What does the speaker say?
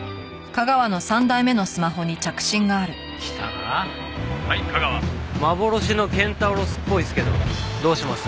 「はい架川」幻のケンタウロスっぽいですけどどうします？